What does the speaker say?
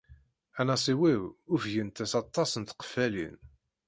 Anasiw-iw ufgent-as aṭas n tqeffalin.